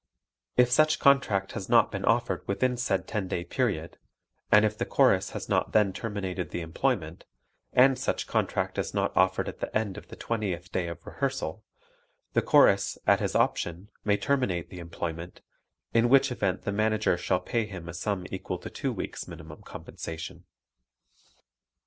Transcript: If such contract has not been so offered within said ten day period (and if the Chorus has not then terminated the employment) and such contract is not offered at the end of the twentieth day of rehearsal, the Chorus, at his option, may terminate the employment, in which event the Manager shall pay him a sum equal to two weeks' minimum compensation.